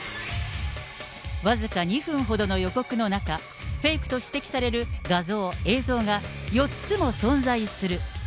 僅か２分ほどの予告の中、フェイクと指摘される画像、映像が４つも存在する。